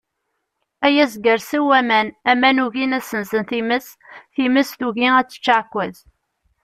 Ay azger sew aman, aman ugin ad sensen times, times tugi ad tečč aɛekkaz.